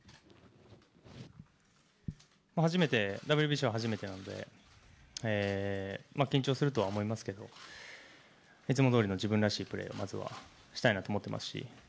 初めて、ＷＢＣは初めてなんで、緊張するとは思いますけど、いつもどおりの自分らしいプレーをまずはしたいなと思ってます。